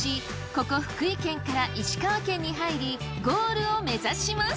ここ福井県から石川県に入りゴールを目指します。